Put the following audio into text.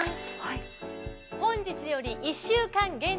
本日より１週間限定